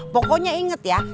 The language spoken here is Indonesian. pokoknya inget ya